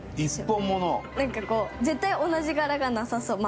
なんかこう絶対同じ柄がなさそう。